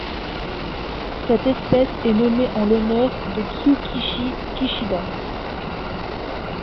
Cette espèce est nommée en l'honneur de Kyukichi Kishida.